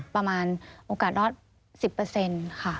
ประมาณโอกาสรอด๑๐ค่ะ